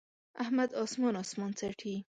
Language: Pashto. احمد اسمان اسمان څټي.